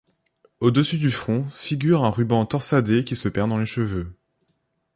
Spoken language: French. Au-dessus du front, figure un ruban torsadé qui se perd dans les cheveux..